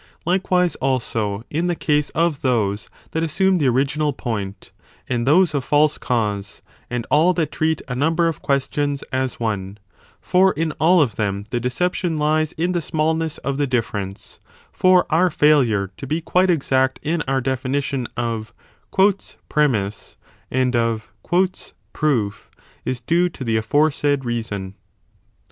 Likewise also in the case of those that assume the original point, and those of false cause, and all that treat a number of questions as one : for in all of them the deception lies in the smallness of the 15 difference : for our failure to be quite exact in our definition of premiss and of proof is due to the aforesaid reason.